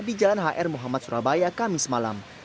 di jalan hr muhammad surabaya kamis malam